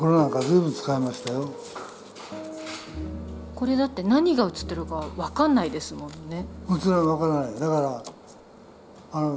これだって何が写ってるか分かんないですもんね。